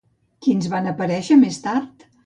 Quins van aparèixer més tard?